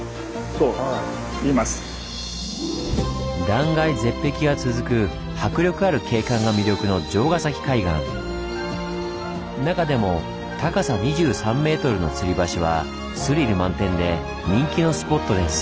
断崖絶壁が続く迫力ある景観が魅力の中でも高さ２３メートルのつり橋はスリル満点で人気のスポットです。